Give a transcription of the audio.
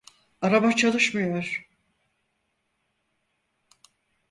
Araba çalışmıyor.